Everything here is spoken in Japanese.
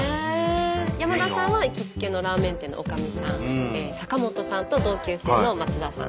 山田さんは行きつけのラーメン店の女将さん坂本さんと同級生の松田さん。